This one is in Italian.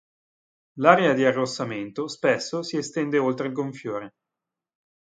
L'area di arrossamento spesso si estende oltre il gonfiore.